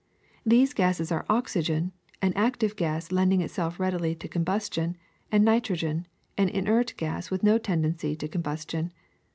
These gases are oxygen, an active gas lending itself readily to combustion, and nitrogen, an inert gas with no tendency to combustion.